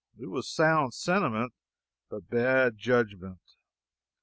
It was sound sentiment, but bad judgment.